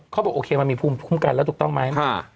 เขาบอกโอเคมันมีภูมิคุ้มกันแล้วถูกต้องไหม